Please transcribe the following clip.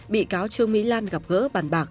bị cáo trương mỹ lan gặp gỡ bàn bạc